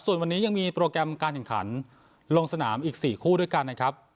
ส่วนวันนี้ยังมีโปรแกรมการแข่งขันลงสนามอีก๔คู่ด้วยกันนะครับ